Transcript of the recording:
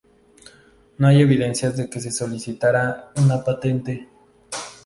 No hay evidencia de que se solicitara una patente.